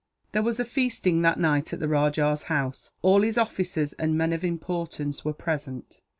There was feasting that night at the rajah's house. All his officers and men of importance were present.